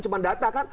cuma data kan